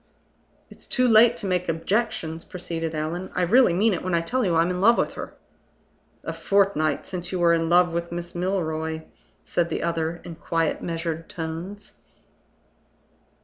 "It's too late to make objections," proceeded Allan. "I really mean it when I tell you I'm in love with her." "A fortnight since you were in love with Miss Milroy," said the other, in quiet, measured tones.